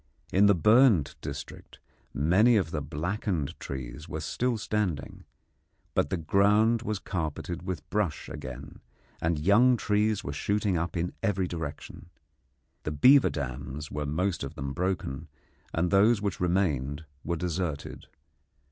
In the burnt district many of the blackened trees were still standing, but the ground was carpeted with brush again, and young trees were shooting up in every direction. The beaver dams were most of them broken, and those which remained were deserted.